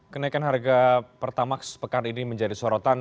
kenaikan harga pertamax pekan ini menjadi sorotan